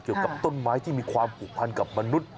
เกี่ยวกับต้นไม้ที่มีความผูกพันกับมนุษย์